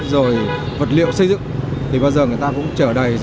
rồi vật liệu xây dựng bây giờ người ta cũng trở đầy